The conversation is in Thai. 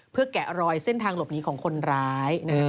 เพื่อแกะรอยเส้นทางหลบหนีของคนร้าย